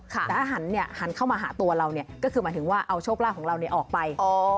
แต่ถ้าหันเข้ามาหาตัวเราก็คือหมายถึงว่าเอาโชคลาภของเราออกไป